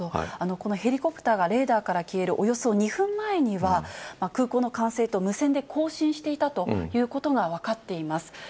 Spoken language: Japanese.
このヘリコプターがレーダーから消えるおよそ２分前には、空港の管制と無線で交信していたということが分かっています。